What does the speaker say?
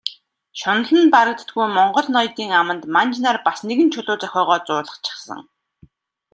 Шунал нь барагддаггүй монгол ноёдын аманд манж нар бас нэгэн чулуу зохиогоод зуулгачихсан.